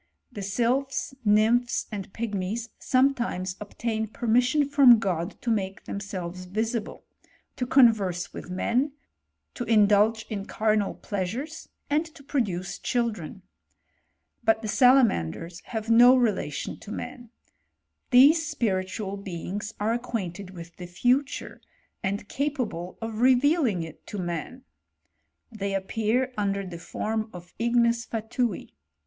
The sylp! nymphs, and pigmies, sometimes obtain permissi from God to make themselves visible, to convei with men, to indulge in carnal pleasures, and to pid^ duce children. But the salamanders have no relatitiff' to man. These spiritual beings are acquainted wlff the future, and capable of revealing it to man. TfaMlf appear under the form of ignesfatui.